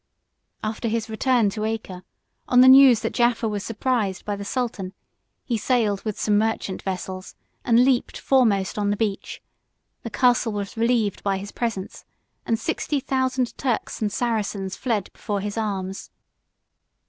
After his return to Acre, on the news that Jaffa was surprised by the sultan, he sailed with some merchant vessels, and leaped foremost on the beach: the castle was relieved by his presence; and sixty thousand Turks and Saracens fled before his arms.